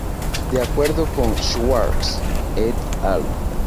De acuerdo con Schwarz "et al.